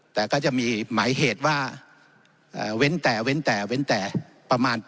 แต่ก็จะมีหมายเหตุว่าเว้นแต่เว้นแต่เว้นแต่ประมาณ